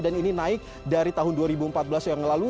dan ini naik dari tahun dua ribu empat belas yang lalu